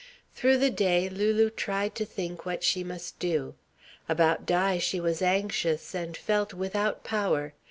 Through the day Lulu tried to think what she must do. About Di she was anxious and felt without power.